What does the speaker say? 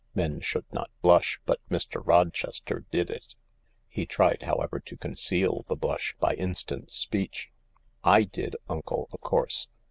" Men should not blush, but Mr. Rochester did it ; he tried, however, to conceal the blush by instant speech, " I did, uncle, of course.